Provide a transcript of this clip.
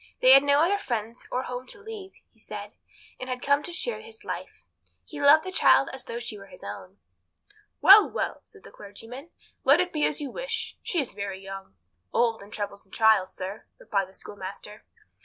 They had no other friends or home to leave, he said, and had come to share his life. He loved the child as though she were his own. "Well, well," said the clergyman, "let it be as you wish. She is very young." "Old in troubles and trials, sir," replied the schoolmaster.